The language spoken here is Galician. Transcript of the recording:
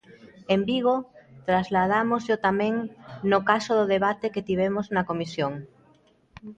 En Vigo, trasladámosllo tamén no caso do debate que tivemos na comisión.